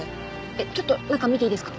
ちょっと中見ていいですか？